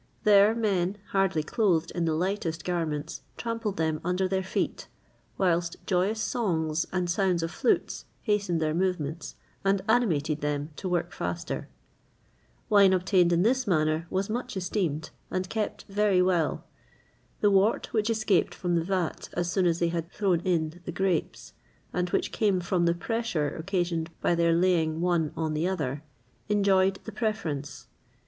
There men, hardly clothed in the lightest garments, trampled them under their feet,[XXVIII 46] whilst joyous songs and sounds of flutes hastened their movements, and animated them to work faster.[XXVIII 47] Wine obtained in this manner was much esteemed, and kept very well.[XXVIII 48] The wort which escaped from the vat as soon as they had thrown in the grapes, and which came from the pressure occasioned by their laying one on the other, enjoyed the preference.